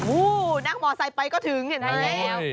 อู้วนักมอเตยไปก็ถึงเห็นไหม